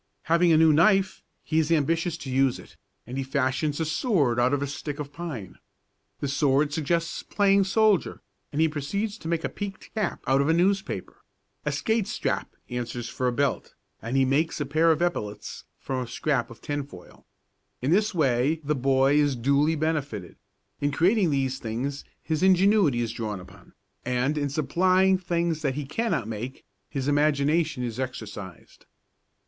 Having a new knife, he is ambitious to use it, and he fashions a sword out of a stick of pine. The sword suggests playing soldier, and he proceeds to make a peaked hat out of a newspaper; a skate strap answers for a belt, and he makes a pair of epaulets from a scrap of tin foil. In this way the boy is duly benefited: in creating these things his ingenuity is drawn upon, and, in supplying things that he cannot make, his imagination is exercised.